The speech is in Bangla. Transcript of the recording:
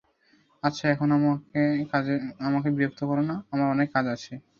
আচ্ছা, এখন আমাকে বিরক্ত করনা, আমার অনেক কাজ আছে।